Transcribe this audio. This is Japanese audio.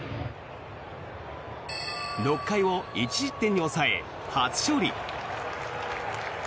６回を１失点に抑え、初勝利。